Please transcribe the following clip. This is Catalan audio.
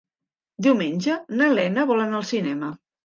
Diumenge na Lena vol anar al cinema.